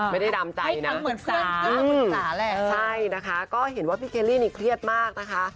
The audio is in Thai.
ไม่ได้ดำใจนะคุณจ๋าแหละใช่นะคะก็เห็นว่าพี่เคลลี่นี่เครียดมากนะคะ